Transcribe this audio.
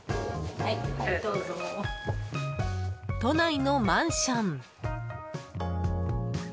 都内のマンション。